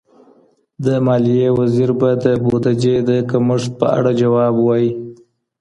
د ماليې وزير به د بوديجې د کمښت په اړه جواب ووايي.